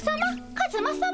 カズマさま？